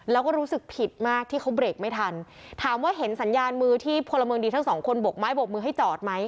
แล้วก็รู้สึกผิดมากที่เขาเบรกไม่ทันถามว่าเห็นสัญญาณมือที่พลเมืองดีทั้งสองคนบกไม้บกมือให้จอดไหม